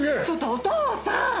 ちょっとお父さん